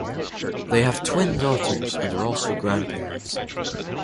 They have twin daughters and are also grandparents.